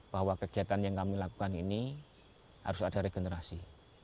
bahwa kegiatan yang kami lakukan ini harus ada regenerasi